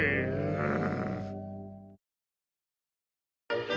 うん。